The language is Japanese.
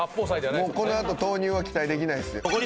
「もうこのあと投入は期待できないですよ」